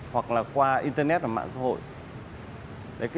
hoặc là qua internet và mạng xã hội